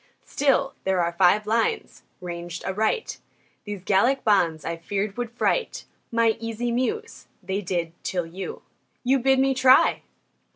Still, there are five lines ranged aright. These Gallic bonds, I feared, would fright My easy Muse. They did, till you You bid me try!